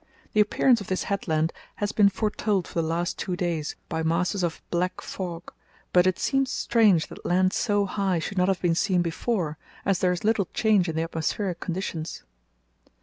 The appearance of this headland has been foretold for the last two days, by masses of black fog, but it seems strange that land so high should not have been seen before, as there is little change in the atmospheric conditions.